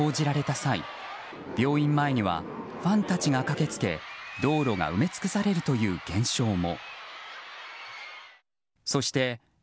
際病院前にはファンたちが駆けつけ道路が埋め尽くされるという現象も。